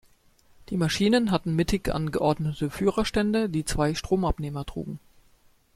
Die Maschinen hatten mittig angeordnete Führerstände, die zwei Stromabnehmer trugen.